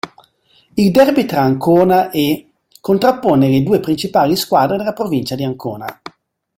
Il derby tra Ancona e contrappone le due principali squadre della provincia di Ancona.